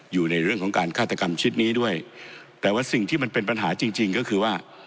อยู่ในเรื่องของการฆาตกรรมชิ้นนี้ด้วยแต่ว่าสิ่งที่มันเป็นปัญหาจริงจริงก็คือว่า